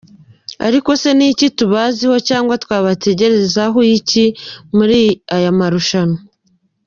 Ariko se ni iki tubaziho cyangwa twabategerezaho iki muri aya marushanwa?.